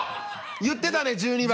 言ってたね１２番。